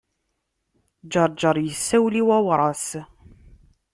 Ǧeṛǧeṛ yessawel i Wawras.